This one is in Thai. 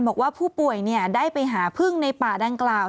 บอกว่าผู้ป่วยได้ไปหาพึ่งในป่าดังกล่าว